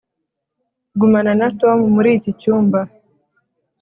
Gumana na Tom muri iki cyumba